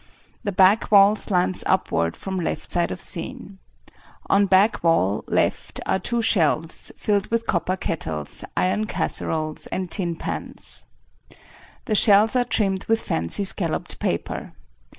The back wall slants upward from left side of scene. On back wall, left, are two shelves filled with copper kettles, iron casseroles and tin pans. The shelves are trimmed with fancy scalloped paper.